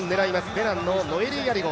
ベナンのノエリー・ヤリゴ。